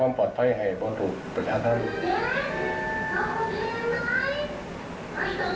พมาทจนยายจนทุกเนี้ยแม่ไอ้สิบกว่าปีแล้วนี่ไอ้เอ่อ